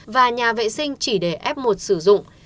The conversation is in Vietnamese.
và nhà vệ sinh chỉ để f một sử dụng